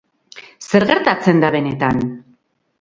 Zer gertatzen da benetan?